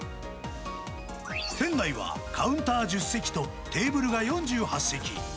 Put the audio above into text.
店内は、カウンター１０席とテーブルが４８席。